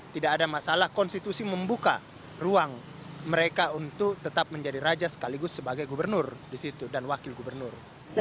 tidak ada masalah konstitusi membuka ruang mereka untuk tetap menjadi raja sekaligus sebagai gubernur di situ dan wakil gubernur